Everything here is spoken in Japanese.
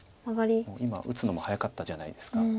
もう今打つのも早かったじゃないですか。